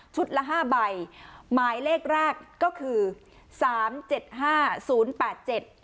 ละห้าใบหมายเลขแรกก็คือสามเจ็ดห้าศูนย์แปดเจ็ด